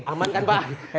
aman kan pak